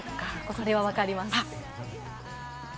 これは分かります。